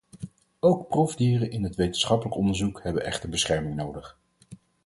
Ook proefdieren in het wetenschappelijk onderzoek hebben echter bescherming nodig.